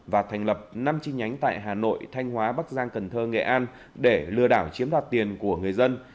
và thành lập năm chi nhánh tại hà nội thanh hóa bắc giang cần thơ nghệ an để lừa đảo chiếm đoạt tiền của người dân